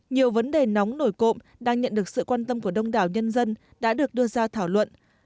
nhiều vấn đề nóng nổi cộm đang nhận được sự quan tâm của đông đảo nhân dân đã được đưa ra thảo luận